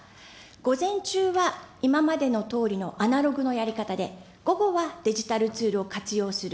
午前中は今までのとおりのアナログのやり方で、午後はデジタルツールを活用する。